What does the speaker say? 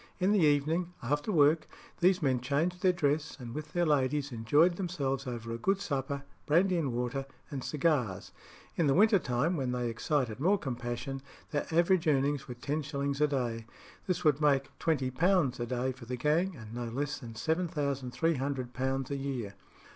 In the evening, "after work," these men changed their dress, and with their ladies enjoyed themselves over a good supper, brandy and water, and cigars. In the winter time, when they excited more compassion, their average earnings were ten shillings a day. This would make £20 a day for the gang, and no less than £7300 a year.